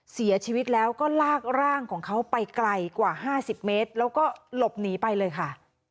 เสียชีวิตแล้วก็ลากร่างของเขาไปไกลกว่า๕๐เมตรแล้วก็หลบหนีไปเลยค่ะ